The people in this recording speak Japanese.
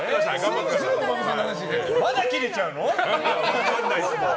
まだキレちゃうの？